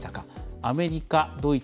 アメリカ、ドイツ